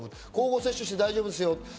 相互接種して大丈夫ですよと。